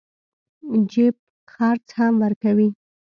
جيب خرڅ هم ورکوي.